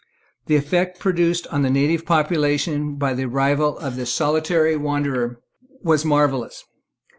The effect produced on the native population by the arrival of this solitary wanderer was marvellous.